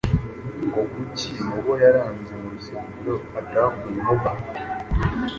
ngo kuki mubo yaranze mu rusengero atakuyemo bahati